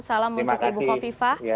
salam untuk ibu fofifa